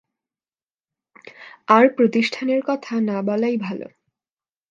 আর প্রতিষ্ঠানের কথা না বলাই ভাল।